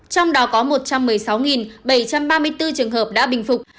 trong đó có một trăm một mươi sáu bảy trăm ba mươi bốn trường hợp đã bình phục